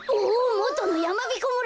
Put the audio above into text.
もとのやまびこ村だ。